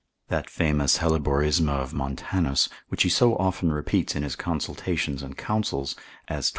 That famous Helleborisme of Montanus, which he so often repeats in his consultations and counsels, as 28.